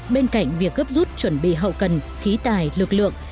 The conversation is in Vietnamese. bên cạnh việc gấp rút chuẩn bị hậu cần khí tài lực lượng